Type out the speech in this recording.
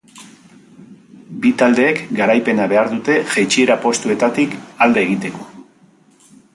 Bi taldeek garaipena behar dute jaitsiera postuetaik alde egiteko.